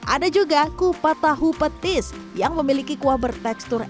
ada juga kupat tahu petis yang memiliki kuah bertekstur enak